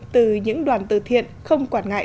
từ những đoàn từ thiện không quản ngại